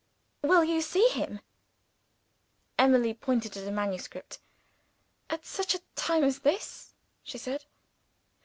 "Will you see him?" Emily pointed to the manuscript. "At such a time as this?" she said.